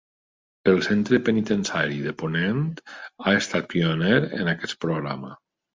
El centre penitenciari de Ponent ha estat pioner en aquest programa.